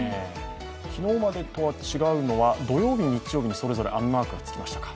昨日までとは違うのは土曜日、日曜日にそれぞれ雨マークがつきましたか。